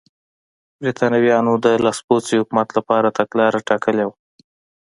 برېټانویانو د لاسپوڅي حکومت لپاره تګلاره ټاکلې وه.